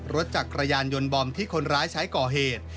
รถจักรยานยนต์บอมที่คนร้ายใช้ก่อเหตุ